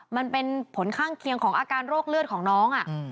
มันเป็นผลข้างเคียงของอาการโรคเลือดของน้อง